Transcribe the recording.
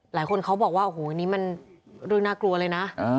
หลายคนเขาบอกว่าโอ้โหนี่มันเรื่องน่ากลัวเลยนะ